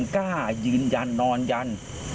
กล้ายืนยันนอนยัน